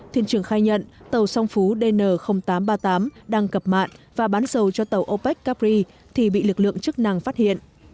thuyền trưởng khai nhận tàu song phú dn tám trăm ba mươi tám đang cập mạng và bán dầu cho tàu opec carbri thì bị lực lượng chức năng phát hiện